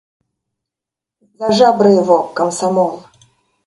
За жабры его, – комсомол!